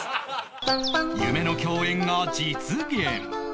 夢の共演が実現